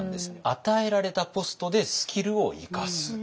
与えられたポストでスキルを生かす。